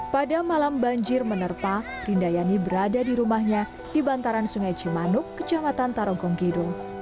pada malam banjir menerpa rindayani berada di rumahnya di bantaran sungai cimanuk kecamatan tarogonggido